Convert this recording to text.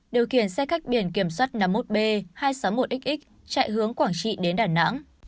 điều khiển xe khách biển kiểm soát năm mươi một b hai trăm sáu mươi một xx chạy hướng quảng trị đến đà nẵng